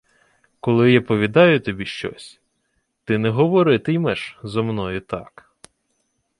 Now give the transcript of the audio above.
— Коли я повідаю тобі щось, ти не говорити-ймеш зо мною так.